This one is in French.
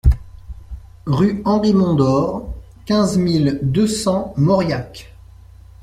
Rue Henri Mondor, quinze mille deux cents Mauriac